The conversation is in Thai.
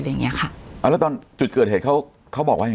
อย่างเงี้ยค่ะอ่าแล้วตอนจุดเกิดเหตุเขาเขาบอกว่ายังไง